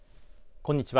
こんにちは。